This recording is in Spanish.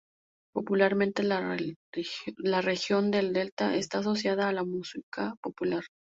Popularmente, la región del Delta está asociada a la música popular.